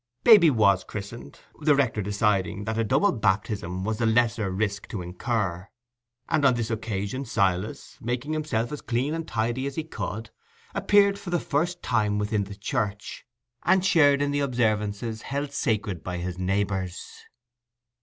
Baby was christened, the rector deciding that a double baptism was the lesser risk to incur; and on this occasion Silas, making himself as clean and tidy as he could, appeared for the first time within the church, and shared in the observances held sacred by his neighbours.